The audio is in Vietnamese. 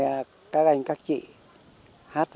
và tôi đã nghe các anh các chị hát ví